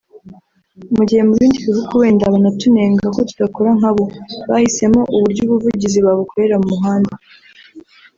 Mu gihe mu bindi bihugu wenda banatunenga ko tudakora nkabo bahisemo uburyo ubuvugizi babukorera mu muhanda